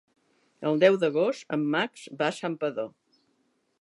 El deu d'agost en Max va a Santpedor.